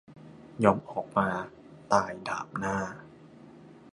ยอมออกมา "ตายดาบหน้า"